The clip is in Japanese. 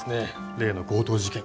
例の強盗事件。